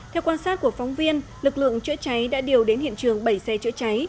theo quan sát của phóng viên lực lượng chữa cháy đã điều đến hiện trường bảy xe chữa cháy